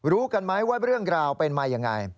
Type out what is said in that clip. รู้กันไหมว่าเรื่องราวเป็นมายังไง